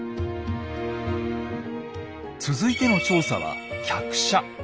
続いての調査は客車。